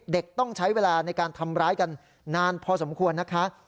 ต้องใช้เวลาในการทำร้ายกันนานพอสมควรนะคะ